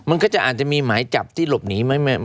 มันก็จะอาจจะมีหมายจับที่หลบหนีไหม